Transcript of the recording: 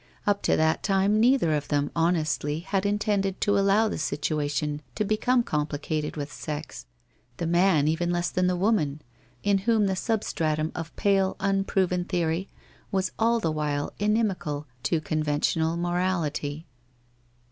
Up to that time neither of them, honestly, had intended to allow the situation to become complicated with sex, the man even less than the woman, in whom the substratum of pale unproven theory was all the while inimical to con ventional morality.